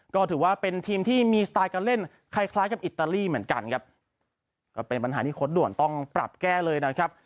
ก็ถือว่าเป็นทีมที่มีสไตล์การเล่นคล้ายคล้ายกับอิตาลีเหมือนกันครับก็เป็นปัญหาที่โค้ดด่วนต้องปรับแก้เลยนะครับ